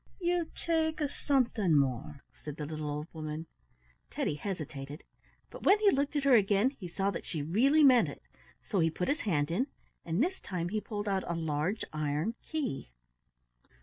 "You take something more," said the little old woman. Teddy hesitated, but when he looked at her again he saw that she really meant it, so he put his hand in and this time he pulled out a large iron key.